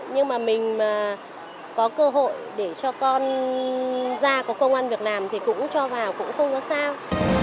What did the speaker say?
nhưng mà mình có cơ hội để cho con ra có công an việc làm thì cũng cho vào cũng không có sao